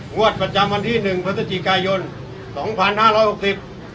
งวดประจำวันที่หนึ่งพฤศจิกายนสองพันห้าร้อยหกสิบ